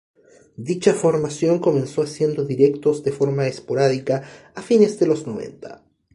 Dicha formación comenzó haciendo directos de forma esporádica a finales de los noventa.